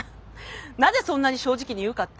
なぜそんなに正直に言うかって？